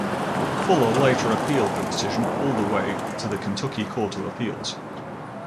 Fuller later appealed the decision all the way to the Kentucky Court of Appeals.